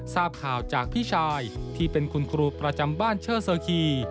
ทราบข่าวจากพี่ชายที่เป็นคุณครูประจำบ้านเชอร์เซอร์คี